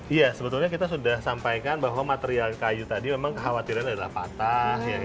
iya sebetulnya kita sudah sampaikan bahwa material kayu tadi memang kekhawatiran adalah patah